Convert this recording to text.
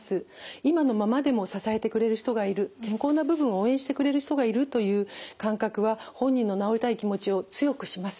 今のままでも支えてくれる人がいる健康な部分を応援してくれる人がいるという感覚は本人の治りたい気持ちを強くします。